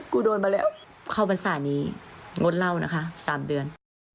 กูโดนมาแล้วเข้าบรรษาณีงดเล่านะคะสามเดือน